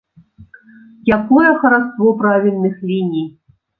Якое хараство правільных ліній?